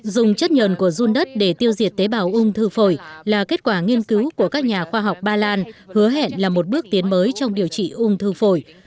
dùng chất nhờn của run đất để tiêu diệt tế bào ung thư phổi là kết quả nghiên cứu của các nhà khoa học ba lan hứa hẹn là một bước tiến mới trong điều trị ung thư phổi